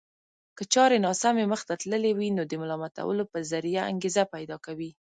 که چارې ناسمې مخته تللې وي نو د ملامتولو په ذريعه انګېزه پيدا کوي.